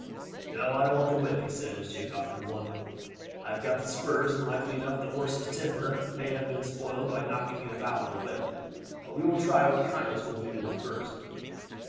"No, I don't want the whip," he said, as Jake offered him one. "I have got the spurs, and likely enough the horse's temper may have been spoiled by knocking it about with a whip; but we will try what kindness will do with it first."